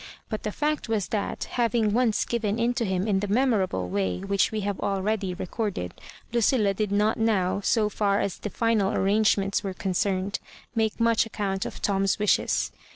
But the &ct was that, having once given in to him in the memorable way which we have already recorded, Lucilla did not now, so far as the final arrangements were concerned, make much account of Tom's wishes.